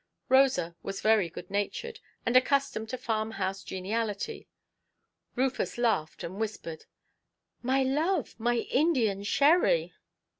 Rosa was very good–natured, and accustomed to farm–house geniality. Rufus laughed and whispered, "My love, my Indian sherry"!